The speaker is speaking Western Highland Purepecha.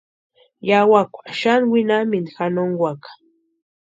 Yawakwa xani winhamintu janonkwaka.